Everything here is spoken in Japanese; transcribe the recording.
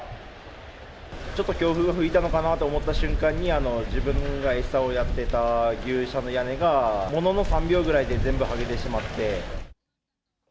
ちょっと強風が吹いたのかなと思った瞬間に、自分が餌をやってた牛舎の屋根が、ものの３秒ぐらいで全部剥がれてしまって。